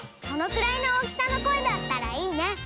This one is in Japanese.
そのくらいの大きさの声だったらいいね。